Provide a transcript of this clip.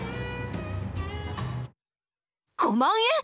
５万円！？